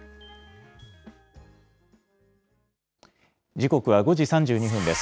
時刻は５時３２分です。